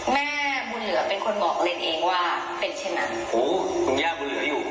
แม่บุญเหลือเป็นคนบอกเล่นเองว่าเป็นเช่นนั้นโอ้คุณย่าบุญเหลืออยู่